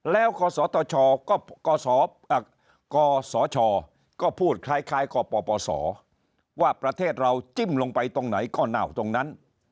แล้วกศชก็พูดคล้ายกปปศว่าประเทศเราจิ้มลงไปตรงไหนก็เน่าตรงนั้น